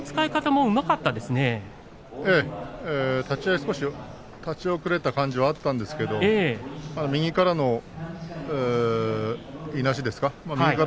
もうまかった立ち合い立ち遅れた感じはあったんですけれど右からのいなしですか。